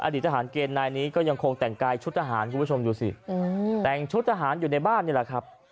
ทหารเกณฑ์นายนี้ก็ยังคงแต่งกายชุดทหารคุณผู้ชมดูสิแต่งชุดทหารอยู่ในบ้านนี่แหละครับ